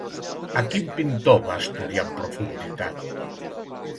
A quin pintor va estudiar en profunditat?